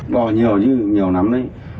bỏ nhiều chứ nhiều lắm đấy